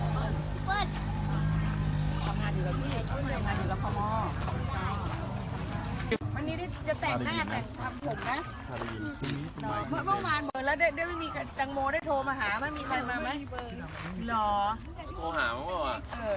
เหมือนมีกันจังโม่ได้โทรมาหาไม่มีมาไม่มีปืนหรอโทรหามาบอกว่า